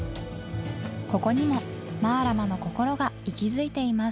ここにもマラマのこころが息づいています